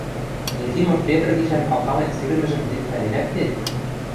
Ефимов Петр гишӓн алтален сирӹмӹжӹм тӹнь пӓленӓт вет?